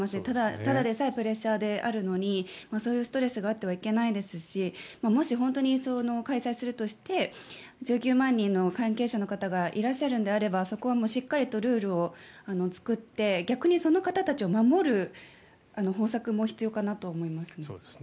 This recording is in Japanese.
ただでさえプレッシャーであるのにそういうストレスがあってはいけないですしもし本当に開催するとして１９万人の関係者の方がいらっしゃるのであればそこはしっかりとルールを作って逆にその方たちを守る方策も必要かなと思いますね。